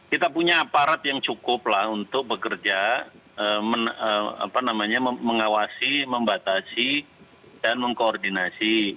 kita punya aparat yang cukup lah untuk bekerja mengawasi membatasi dan mengkoordinasi